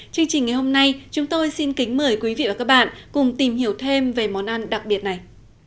chương trình ngày hôm nay chúng tôi xin kính mời quý vị và các bạn cùng tìm hiểu thêm về món ăn đặc biệt này